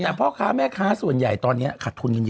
แต่พ่อค้าแม่ค้าส่วนใหญ่ตอนนี้ขาดทุนกันเยอะ